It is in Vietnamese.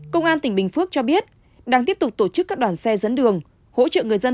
công an tỉnh bình phước cho biết đang tiếp tục tổ chức các đoàn xe dẫn đường hỗ trợ người dân